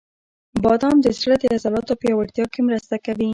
• بادام د زړه د عضلاتو پیاوړتیا کې مرسته کوي.